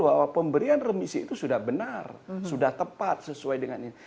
bahwa pemberian remisi itu sudah benar sudah tepat sesuai dengan ini